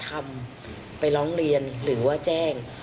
ทำไปร้องเรียนหรือว่าแจ้ง